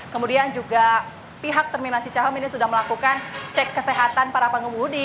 kemudian juga pihak terminal cicahem ini sudah melakukan cek kesehatan para pengemudi